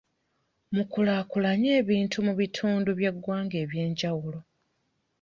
Mukulaakulanye ebintu mu bitundu by'eggwanga eby'enjawulo.